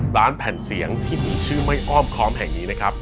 ร้านแผ่นเสียงที่มีชื่อไม่อ้อมค้อมแห่งนี้นะครับ